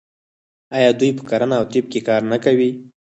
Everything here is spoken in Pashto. آیا دوی په کرنه او طب کې کار نه کوي؟